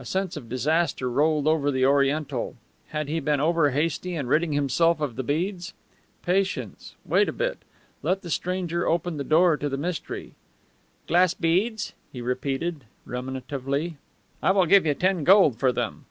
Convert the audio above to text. A sense of disaster rolled over the Oriental. Had he been overhasty in ridding himself of the beads? Patience! Wait a bit! Let the stranger open the door to the mystery. "Glass beads?" he repeated, ruminatively. "I will give you ten gold for them."